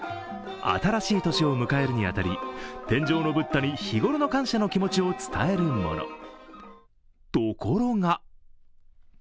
新しい年を迎えるに当たり、天上のブッダに日ごろの感謝の気持ちを伝えるもの。